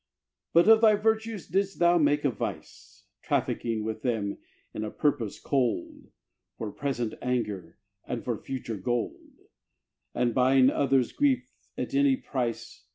But of thy virtues didst thou make a vice, Trafficking with them in a purpose cold, For present anger, and for future gold And buying others' grief at any price.